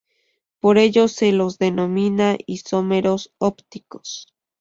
Por ello se los denomina isómeros ópticos.